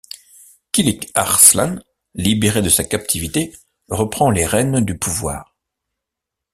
Kiliç Arslan, libéré de sa captivité reprend les rênes du pouvoir.